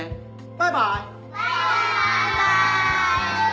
バイバイ！